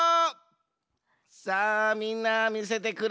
さあみんなみせてくれ。